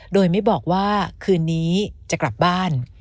โดยไม่บอกว่าคืนนี้จะกลับบ้าน